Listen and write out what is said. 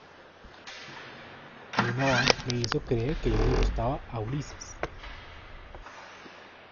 Ainhoa, me hizo creer que yo le gustaba a Ulises.